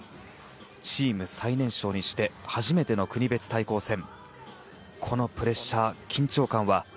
チーム最年少にして初めての国別対抗戦。